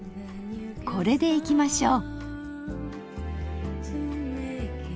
これでいきましょう。